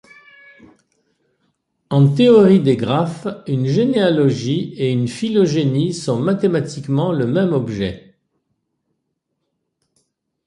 En théorie des graphes, une généalogie et une phylogénie sont mathématiquement le même objet.